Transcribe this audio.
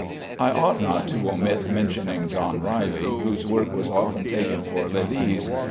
I ought not to omit mentioning John Riley, whose work was often taken for Lely's.